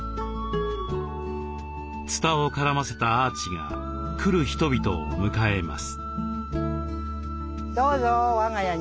つたを絡ませたアーチが来る人々を迎えます。